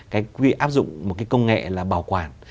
vì áp dụng một cái công nghệ là bảo quản